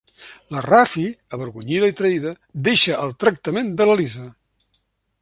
La Rafi, avergonyida i traïda, deixa el tractament de la Lisa.